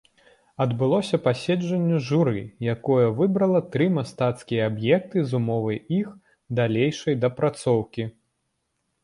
Адбылося паседжанне журы, якое выбрала тры мастацкія аб'екты з умовай іх далейшай дапрацоўкі.